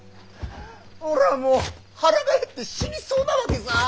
俺はもう腹が減って死にそうなわけさー。